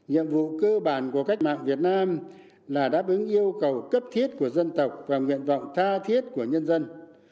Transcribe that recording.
nhiệm vụ cơ bản của cách mạng việt nam là đáp ứng yêu cầu cấp thiết của dân tộc và nguyện vọng tha thiết của nhân dân